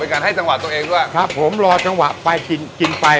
อ๋อเป็นการให้จังหวะตัวเองด้วยครับผมรอจังหวะไปกินไปครับ